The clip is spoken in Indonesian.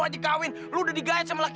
ini kopinya pak